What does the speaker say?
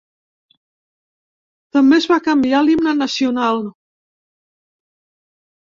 També es va canviar l'himne nacional.